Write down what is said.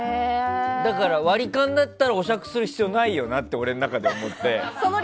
だから、割り勘だったらお酌する必要ないよなって俺の中で思って。